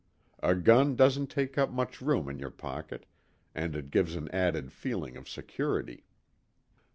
A gun doesn't take up much room in your pocket, and it gives an added feeling of security.